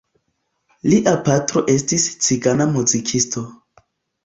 Lia patro estis cigana muzikisto.